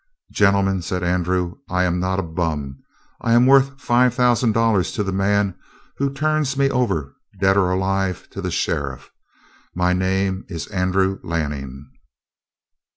"Gentlemen," said Andrew, "I am not a bum. I am worth five thousand dollars to the man who turns me over, dead or alive, to the sheriff. My name is Andrew Lanning."